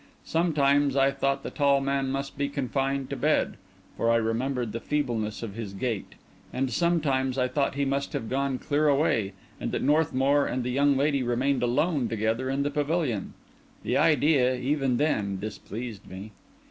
Sometimes I thought the tall man must be confined to bed, for I remembered the feebleness of his gait; and sometimes I thought he must have gone clear away, and that Northmour and the young lady remained alone together in the pavilion. The idea, even then, displeased me.